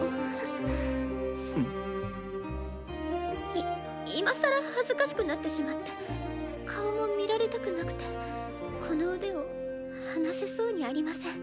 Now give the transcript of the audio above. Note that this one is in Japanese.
い今更恥ずかしくなってしまって顔も見られたくなくてこの腕を離せそうにありません。